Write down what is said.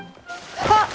あっ！